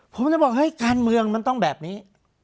ผมจะบอกเฮ้ยการเมืองมันต้องแบบนี้